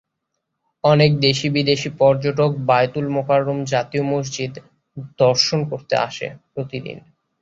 অনেক দেশি-বিদেশি পর্যটক বায়তুল মোকাররম জাতীয় মসজিদ দর্শন করতে আসে প্রতিদিন।